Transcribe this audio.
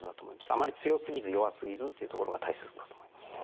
あまり強すぎず弱すぎずっていうところが大切かと思います。